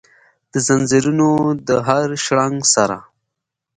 دځنځیرونو د هرشرنګ سره،